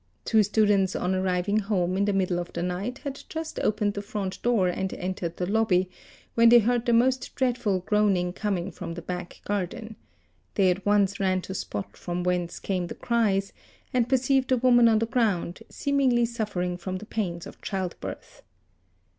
Two students : on arriving home in the middle of the night had just opened the front door and entered the lobby when they heard the most dreadful eroaning _ coming from the back garden; they at once ran to the spot from whence came the cries and perceived a woman on the ground, seemingly suffering from the pains of childbirth.